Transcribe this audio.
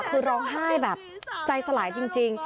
คือร้องไห้แบบใจสลายจริง